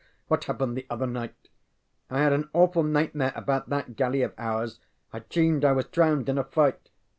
What happened the other night? ŌĆØ ŌĆ£I had an awful nightmare about that galley of ours. I dreamed I was drowned in a fight.